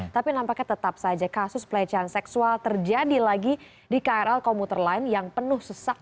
tapi nampaknya tetap saja kasus pelecehan seksual terjadi lagi di krl komuter lain yang penuh sesak